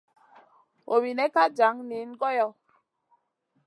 Robinena ka jan niyna goyo.